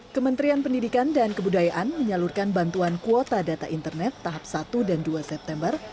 kementerian pendidikan dan kebudayaan menyalurkan bantuan kuota data internet tahap satu dan dua september